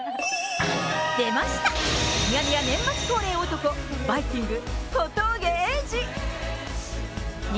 出ました、ミヤネ屋年末恒例男、バイきんぐ・小峠英二。